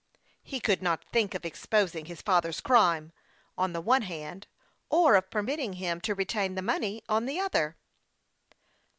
He could not think of exposing his father's crime, on the one hand, or of permitting him to retain the money, on the other.